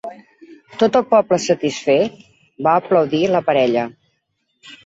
Tot el poble, satisfet, va aplaudir la parella.